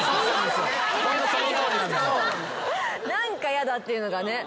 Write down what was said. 何かやだっていうのがね。